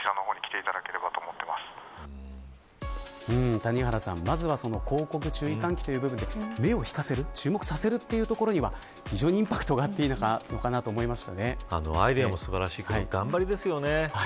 谷原さん、まずは注意喚起という部分で目を引かせる、注目させるというところでは、インパクトがアイデアも素晴らしいけど頑張りですよね。